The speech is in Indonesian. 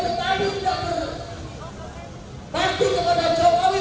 tetapi sudah berpakti kepada jokowi